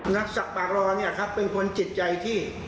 นักสักปากรอเนี่ยครับเป็นคนจิตใจที่